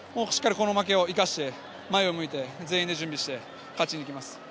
この負けを生かして全員で準備して勝ちに行きます。